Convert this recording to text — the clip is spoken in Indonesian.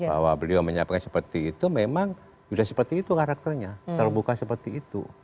bahwa beliau menyampaikan seperti itu memang sudah seperti itu karakternya terbuka seperti itu